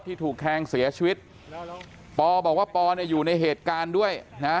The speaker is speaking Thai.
ถูกแทงเสียชีวิตปอบอกว่าปอเนี่ยอยู่ในเหตุการณ์ด้วยนะ